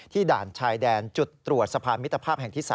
ด่านชายแดนจุดตรวจสะพานมิตรภาพแห่งที่๓